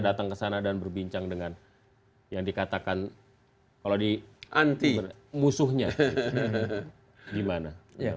datang ke sana dan berbincang dengan yang dikatakan kalau di anti musuhnya gimana yang